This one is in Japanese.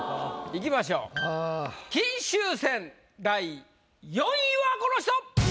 いきましょう金秋戦第４位はこの人！